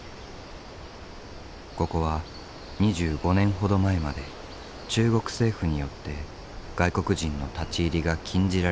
ここは２５年ほど前まで中国政府によって外国人の立ち入りが禁じられていた場所。